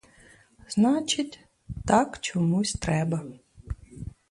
Значить, так чомусь треба.